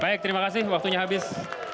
baik terima kasih waktunya habis